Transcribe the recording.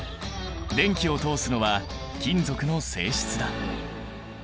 電気を通すのは金属の性質だ。